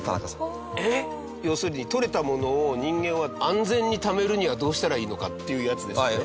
いとう：要するに、とれたものを人間は、安全にためるにはどうしたらいいのかっていうやつですよね。